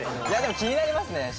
いやでも気になりますね